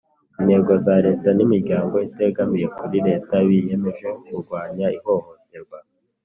Intego za leta nimiryango itegamiye kuri leta biyemeje kurwanya ihohoterwa